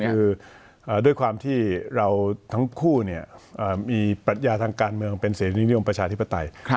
คือด้วยความที่เราทั้งคู่มีปัญญาทางการเมืองเป็นเสรีนิยมประชาธิปไตย